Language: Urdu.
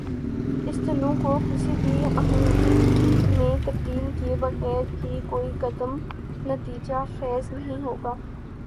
اس تنوع کو کسی ہم آہنگی میں تبدیل کیے بغیربھی کوئی قدم نتیجہ خیز نہیں ہو گا۔